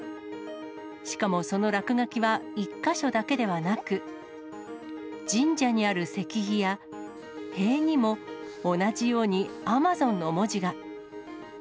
しかもその落書きは１か所だけではなく、神社にある石碑や塀にも、同じようにＡｍａｚｏｎ！の文字が。